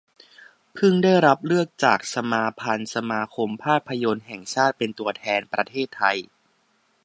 เพิ่งได้รับเลือกจากสมาพันธ์สมาคมภาพยนตร์แห่งชาติ เป็นตัวแทนประเทศไทย